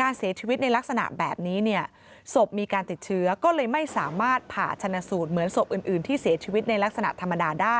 การเสียชีวิตในลักษณะแบบนี้เนี่ยศพมีการติดเชื้อก็เลยไม่สามารถผ่าชนะสูตรเหมือนศพอื่นที่เสียชีวิตในลักษณะธรรมดาได้